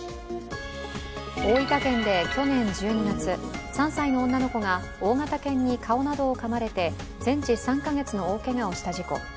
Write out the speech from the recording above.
大分県で去年１２月、３歳の女の子が大型犬に顔などをかまれて全治３か月の大けがをした事故。